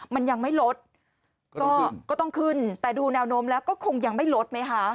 มันยังไม่ลดก็ต้องขึ้นแต่ดูแนวโน้มแล้วก็คงยังไม่ลดไหมคะ